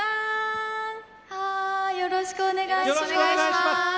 よろしくお願いします。